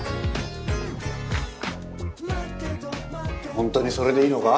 本当にそれでいいのか？